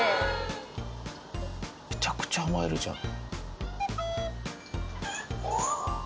めちゃくちゃ甘えるじゃん。